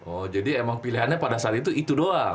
oh jadi emang pilihannya pada saat itu itu doang